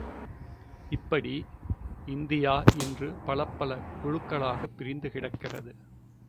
இப்படி இந்தியா இன்று பலப்பல குழுக்களாகப் பிரிந்து கிடக்கிறது.